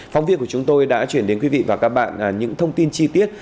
phóng viên của chúng tôi đã chuyển đến quý vị và các bạn những thông tin chi tiết